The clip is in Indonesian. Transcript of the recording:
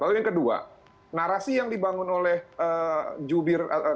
lalu yang kedua narasi yang dibangun oleh jubir